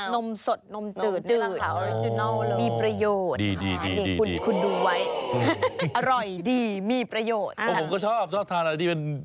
นมสดนมจืดมีประโยชน์ค่ะเดี๋ยวคุณดูไว้